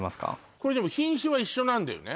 これでも品種は一緒なんだよね